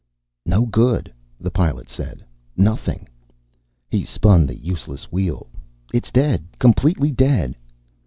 "No good," the Pilot said. "Nothing." He spun the useless wheel. "It's dead, completely dead."